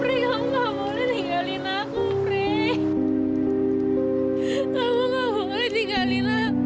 fre kamu gak boleh pergi